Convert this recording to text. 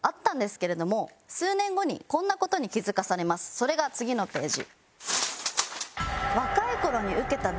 それが次のページ。